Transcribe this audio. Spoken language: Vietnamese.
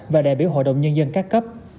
và đại biểu hội đồng nhân dân các cấp